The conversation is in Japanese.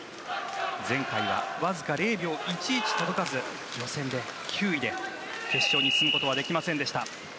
前回はわずか０秒１１届かず予選で９位で決勝に進むことはできませんでした。